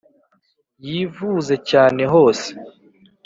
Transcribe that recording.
Yivuze cyane hose